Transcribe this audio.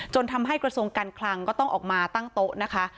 ทำให้กระทรวงการคลังก็ต้องออกมาตั้งโต๊ะนะคะ